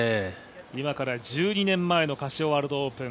今から１２年前のカシオワールドオープン